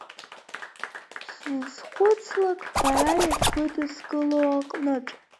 Сзызхәыцлак бара иахьбыдыскыло аҟнытә…